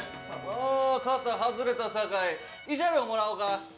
あ肩外れたさかい慰謝料もらおうか。